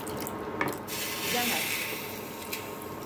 Gidemezsin.